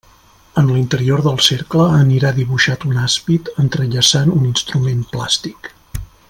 En l'interior del cercle anirà dibuixat un àspid entrellaçant un instrument plàstic.